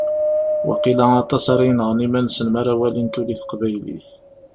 Waqila aṭas ara yenɣen iman-nsen mi ara walin tuli teqbaylit.